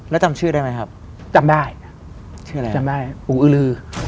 แล้วจำชื่อได้ไหมครับจำได้ชื่ออะไรจำได้ปู่อื้อลือ